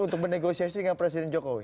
untuk menegosiasi dengan presiden jokowi